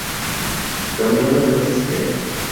Caminos no existían.